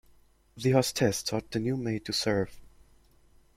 The hostess taught the new maid to serve.